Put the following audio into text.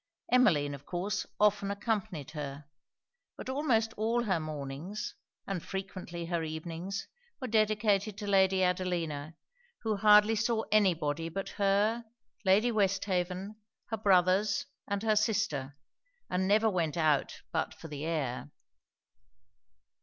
Emmeline, of course, often accompanied her: but almost all her mornings, and frequently her evenings, were dedicated to Lady Adelina; who hardly saw any body but her, Lady Westhaven, her brothers, and her sister; and never went out but for the air.